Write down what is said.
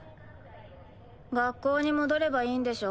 学校に戻ればいいんでしょ。